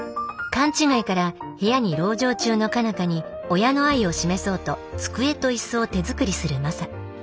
勘違いから部屋に籠城中の佳奈花に親の愛を示そうと机と椅子を手作りするマサ。